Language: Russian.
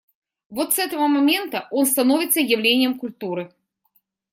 Вот с этого момента он становится явлением культуры.